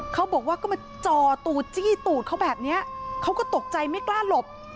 เขาบอกว่าก็มาจอตูดจี้ตูดเขาแบบนี้เขาก็ตกใจไม่กล้าหลบ